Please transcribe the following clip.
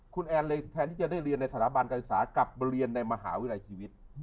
คุณแอนเลยแทนที่จะได้เรียนในสถาบันการศึกษากับเรียนในมหาวิทยาลัยชีวิต